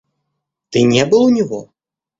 Ты не был у него?